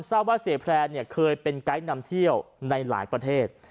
ทราบว่าเสียแพร่เนี่ยเคยเป็นไกด์นำเที่ยวในหลายประเทศ